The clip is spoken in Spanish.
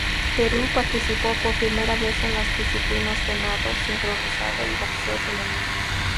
Perú participó por primera vez en las disciplinas de nado sincronizado y boxeo femenino.